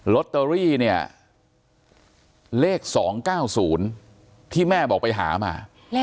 ลอตเตอรี่เนี่ยเลข๒๙๐ที่แม่บอกไปหามา